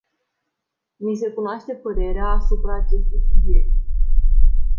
Mi se cunoaște părerea asupra acestui subiect.